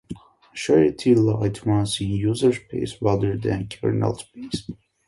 Sharity-Light runs in user space rather than kernel space.